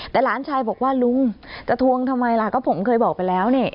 แต่หลานชายบอกว่าลุงจะทวงทำไมล่ะก็ผมเคยบอกไปแล้วนี่